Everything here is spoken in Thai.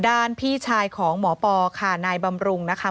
พี่ชายของหมอปอค่ะนายบำรุงนะคะ